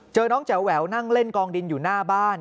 น้องแจ๋วแหววนั่งเล่นกองดินอยู่หน้าบ้าน